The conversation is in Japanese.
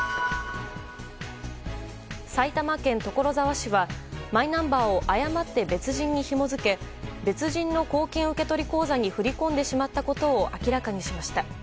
埼玉県所沢市はマイナンバーを誤って別人にひも付け別人の公金受取口座に振り込んでしまったことを明らかにしました。